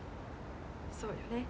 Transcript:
そうよね。